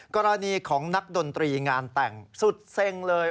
กรณีของนักดนตรีงานแต่งสุดเซ็งเลย